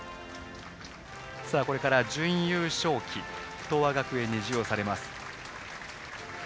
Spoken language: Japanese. これから準優勝旗東亜学園に授与されます。